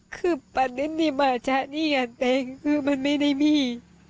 คือปัดติดนี่มระชานี่อันดิงคือมันไม่ได้มี